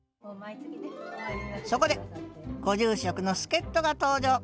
そこでご住職の助っとが登場！